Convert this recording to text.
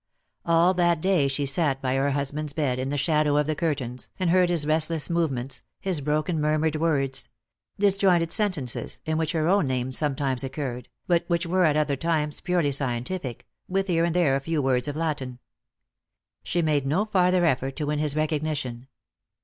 All that day she sat by her husband's bed, in the shadow of the curtains, and heard his restless movements, his broken murmured words — disjointed sentences, in which her own name sometimes occurred, but which were at other times purely scien tific, with here and there a few words of Latin. She made no farther effort to win his recognition.